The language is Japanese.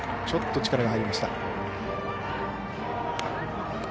ちょっと力が入りました。